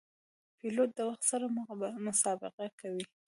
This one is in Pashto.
پیلوټ د وخت سره مسابقه کوي.